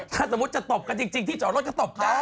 ถ้าสมมุติจะตบกันจริงที่จอดรถก็ตบได้